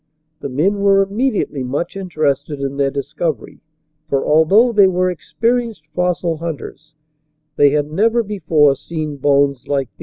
The men were immediately much interested in their dis covery, for, although they were experienced fossil hunters, they had never before seen bones like these.